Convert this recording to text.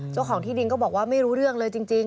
เจ้าของที่ดินก็บอกว่าไม่รู้เรื่องเลยจริง